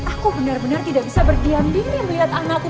aku benar benar tidak bisa berdiam diri melihat anakku